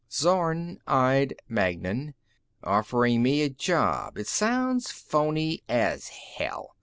Zorn eyed Magnan. "Offering me a job it sounds phony as hell.